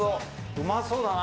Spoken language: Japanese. うまそうだな。